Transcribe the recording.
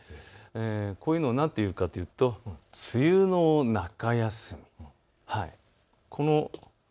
こういうのを何というかというと梅雨の中休み。